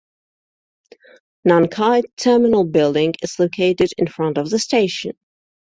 Nankai Terminal Building is located in front of the station.